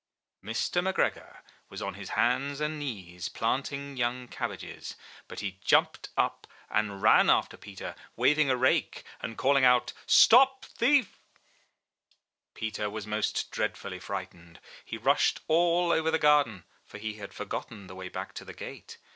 Mr. McGregor was on his hands and knees planting young cabbages, but he jumped up and ran after Peter, waving a rake and calling out, ''Stop thief T' Peter was most dreadfully frightened; he rushed all over the garden, for he had forgotten the way back to the gate.